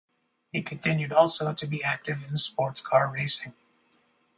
He continued also to be active in sports car racing.